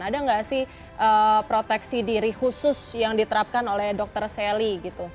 ada nggak sih proteksi diri khusus yang diterapkan oleh dr sally gitu